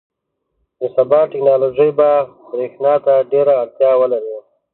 • د سبا ټیکنالوژي به برېښنا ته ډېره اړتیا ولري.